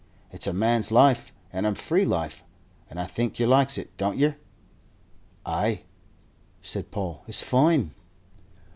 It's a man's life and a free life, and I think yer likes it, don't yer?" "Ay," said Paul, "it's foine."